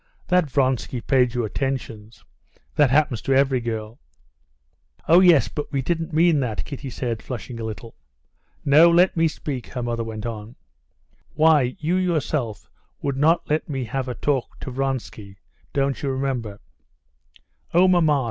That Vronsky paid you attentions—that happens to every girl." "Oh, yes, but we didn't mean that," Kitty said, flushing a little. "No, let me speak," her mother went on, "why, you yourself would not let me have a talk to Vronsky. Don't you remember?" "Oh, mamma!"